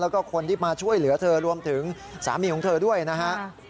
แล้วก็คนที่มาช่วยเหลือเธอรวมถึงสามีของเธอด้วยนะฮะ